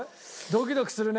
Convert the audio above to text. ドキドキするね。